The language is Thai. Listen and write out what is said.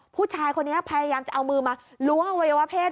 ผู้ชายคนนี้พยายามจะเอามือมาล้วงอวัยวะเพศ